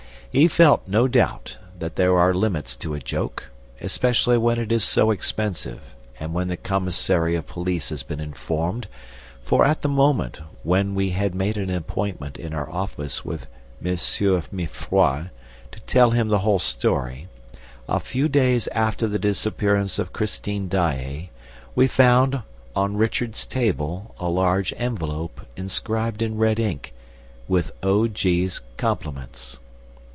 He felt, no doubt, that there are limits to a joke, especially when it is so expensive and when the commissary of police has been informed, for, at the moment when we had made an appointment in our office with M. Mifroid to tell him the whole story, a few days after the disappearance of Christine Daae, we found, on Richard's table, a large envelope, inscribed, in red ink, "WITH O. G.'S COMPLIMENTS."